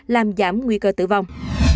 làm giảm nguy cơ tử vong